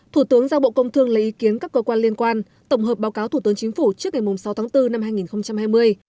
thủ tướng giao bộ công thương lấy ý kiến các cơ quan liên quan tổng hợp báo cáo thủ tướng chính phủ trước ngày sáu tháng bốn năm hai nghìn hai mươi